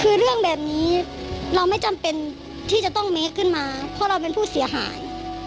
คือเรื่องแบบนี้เราไม่จำเป็นที่จะต้องเมคขึ้นมาเพราะเราเป็นผู้เสียหาย